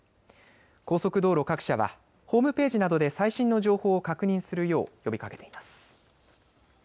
高速道路各社はホームページなどで最新の情報を確認するよう呼びかけています。